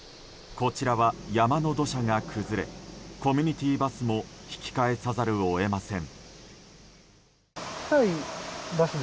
こちらは山の土砂が崩れコミュニティーバスも引き返さざるを得ません。